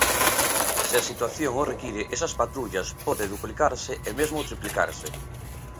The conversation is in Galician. Se a situación o require esas patrullas pode duplicarse e mesmo triplicarse.